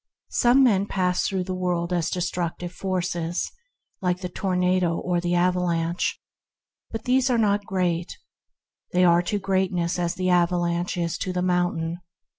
Some men pass through the world as destructive forces, like the tornado or the avalanche, but they are not great; they are to greatness as the avalanche is to the mountain.